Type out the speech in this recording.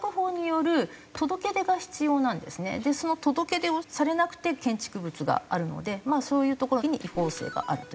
その届出をされなくて建築物があるのでまあそういうところに違法性があるという事になります。